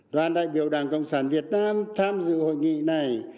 đoàn đại biểu đảng cộng sản việt nam tham dự hội nghị này